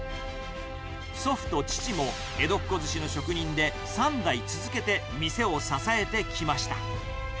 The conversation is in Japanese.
祖父と父も、江戸ッ子寿司の職人で、３代続けて店を支えてきました。